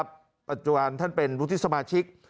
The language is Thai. ปัจจุการณ์ท่านเป็นลูกที่สมาชิก